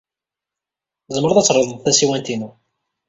Tzemred ad treḍled tasiwant-inu.